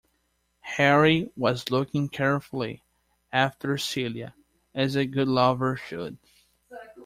Harry was looking carefully after Celia, as a good lover should.